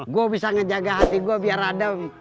gue bisa ngejaga hati gue biar radem